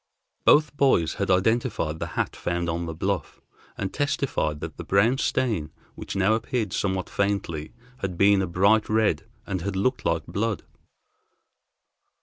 Both boys had identified the hat found on the bluff, and testified that the brown stain, which now appeared somewhat faintly, had been a bright red, and had looked like blood.